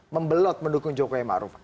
membelot mendukung jokowi maruf